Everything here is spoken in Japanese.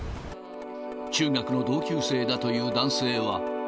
中学の同級生だという男性は。